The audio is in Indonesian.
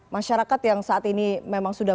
masyarakat yang saat ini memang sudah